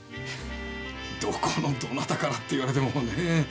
どこのどなたからって言われてもねぇ。